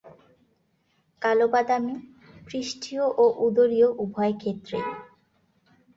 কালো-বাদামি, পৃষ্ঠীয় ও উদরীয় উভয় ক্ষেত্রেই।